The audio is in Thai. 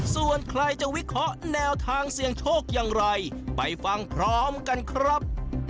ส่วนใครจะวิเคราะห์แนวทางเสี่ยงโชคอย่างไรไปฟังพร้อมกันครับ